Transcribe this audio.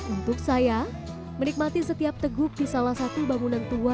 untuk saya menikmati setiap teguk di salah satu bangunan tua